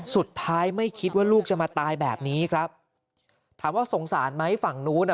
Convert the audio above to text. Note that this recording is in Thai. สุดท้ายไม่คิดว่าลูกจะมาตายแบบนี้ครับถามว่าสงสารไหมฝั่งนู้นอ่ะ